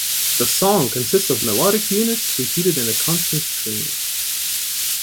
The song consists of melodic units, repeated in a constant stream.